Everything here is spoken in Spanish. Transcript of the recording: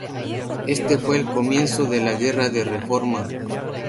Este fue el comienzo de la Guerra de Reforma.